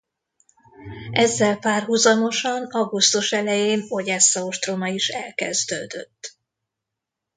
Ezzel párhuzamosan augusztus elején Odessza ostroma is elkezdődött.